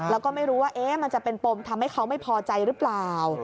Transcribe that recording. แล้วก็ไม่รู้ว่ามันจะเป็นปมทำให้เขาไม่พอใจหรือเปล่า